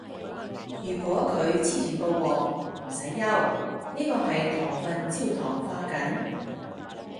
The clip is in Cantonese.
如果佢黐住個鑊，唔使憂，呢個係糖分焦糖化緊